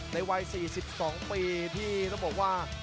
ในวัย๔๒ปีที่ต้องบอกว่า